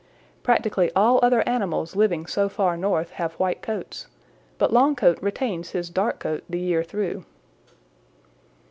Practically all other animals living so far North have white coats, but Longcoat retains his dark coat the year through.